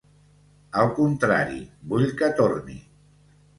Al contrari, vull que torni.